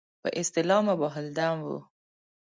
په اصطلاح مباح الدم وو.